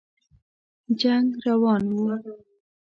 جنګ روان وو.